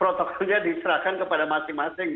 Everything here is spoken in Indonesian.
protokolnya diserahkan kepada masing masing